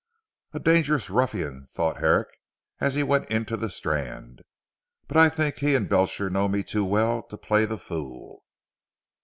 "A dangerous ruffian," thought Herrick as he went into the Strand, "but I think he and Belcher know me too well to play the fool."